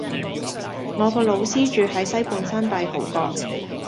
我個老師住喺西半山帝豪閣